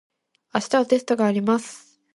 明日はテストがあります。